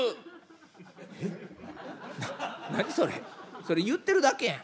それ言ってるだけやん。